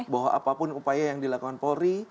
bahwa apapun upaya yang dilakukan polri